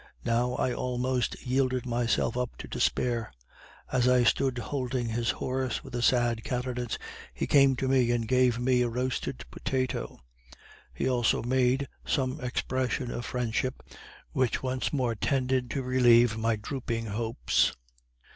Now I almost yielded myself up to despair. As I stood holding his horse with a sad countenance, he came to me and gave me a roasted potato. He also made some expression of friendship, which once more tended to revive my drooping hopes.